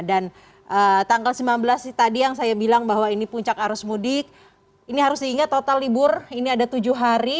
dan tanggal sembilan belas tadi yang saya bilang bahwa ini puncak arus mudik ini harus diingat total libur ini ada tujuh hari